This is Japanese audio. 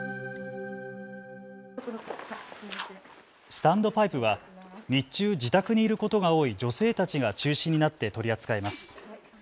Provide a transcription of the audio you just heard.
スタンドパイプは日中、自宅にいることが多い女性たちが中心になって取り扱います。